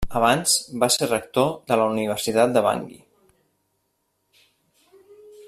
Abans va ser rector de la Universitat de Bangui.